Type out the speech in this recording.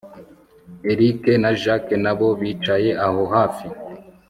erick na jack nabo bicaye aho hafi